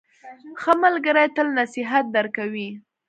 ښه ملګری تل نصیحت درکوي.